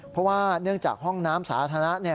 เพราะว่าเนื่องจากห้องน้ำสาธารณะ